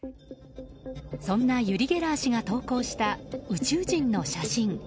そんなユリ・ゲラー氏が投稿した宇宙人の写真。